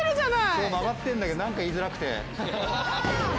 そう曲がってるんだけどなんか言いづらくて。